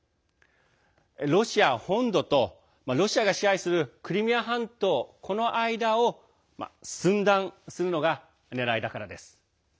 ロシア本土とロシアが支配するクリミア半島この間を寸断するのがねらいだからです。